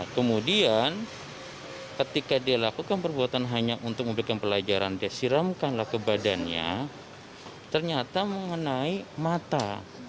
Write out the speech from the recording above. kemudian ketika dia lakukan perbuatan hanya untuk memberikan pelajaran dia siramkanlah ke badannya ternyata mengenai mata